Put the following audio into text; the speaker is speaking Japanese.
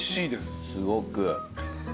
すごく。